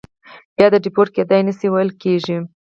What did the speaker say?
بیا دیپورت کېدای نه شي ویل کېږي.